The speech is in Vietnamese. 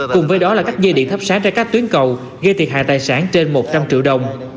cùng với đó là cắt dây điện thấp sát ra các tuyến cầu gây thiệt hại tài sản trên một trăm linh triệu đồng